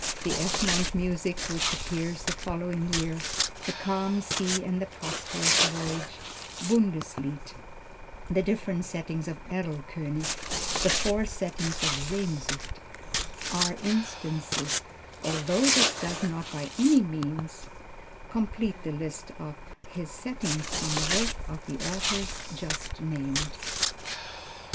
The Egmont music, which appeared the following year, the Calm Sea and Prosperous Voyage, Bundeslied, the different settings of Erlkönig, the four settings of Sehnsucht are instances, although this does not by any means complete the list of his settings from the works of the authors just named.